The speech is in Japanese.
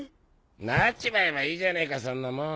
なっちまえばいいじゃねえかそんなもん！